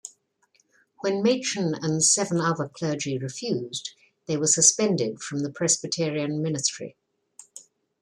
When Machen and seven other clergy refused, they were suspended from the Presbyterian ministry.